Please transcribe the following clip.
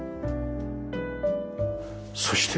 そして。